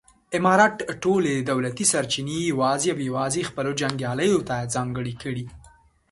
امارت ټولې دولتي سرچینې یوازې او یوازې خپلو جنګیالیو ته ځانګړې کړې.